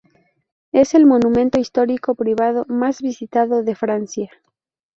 Es el monumento histórico privado más visitado de Francia.